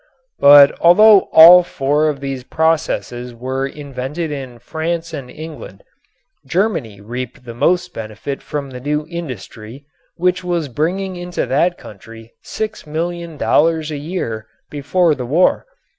But although all four of these processes were invented in France and England, Germany reaped most benefit from the new industry, which was bringing into that country $6,000,000 a year before the war.